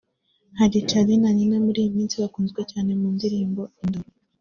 hari Charly & Nina muri iyi minsi bakunzwe cyane mu ndirimbo “Indoro”